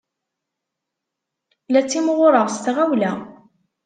La ttimɣureɣ s tɣawla.